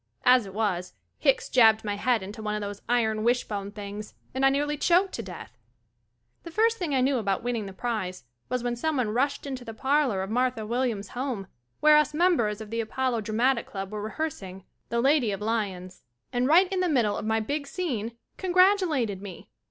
As it was, Hicks jabbed my head into one of those iron wishbone things, and I nearly choked to death. The first thing I knew about winning the prize was when someone rushed into the parlor of Mar tha Williams' home, wher<5 us members of the Apollo Dra matic Club were re hearsing "The Lady of L y o n s," and right in the middle of my big scene, congratulated me.